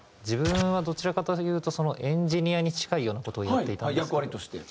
自分はどちらかというとエンジニアに近いような事をやっていたんです。